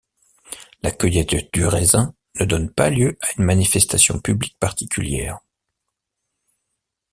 La cueillette du raisin ne donne pas lieu à une manifestation publique particulière.